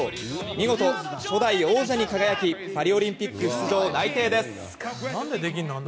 見事、初代王者に輝きパリオリンピック出場内定です。